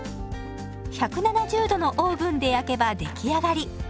１７０度のオーブンで焼けば出来上がり。